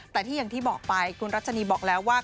แต่ที่อย่างที่บอกไปคุณรัชนีบอกแล้วว่า